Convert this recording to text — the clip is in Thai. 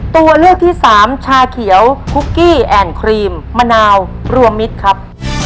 ตัวเลือกที่สามชาเขียวคุกกี้แอนด์ครีมมะนาวรวมมิตรครับ